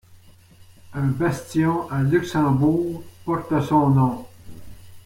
Un bastion à Luxembourg porte son nom.